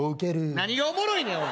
何がおもろいねん！